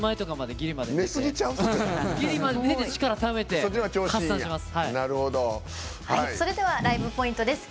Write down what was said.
ギリまで寝て力ためて発散します。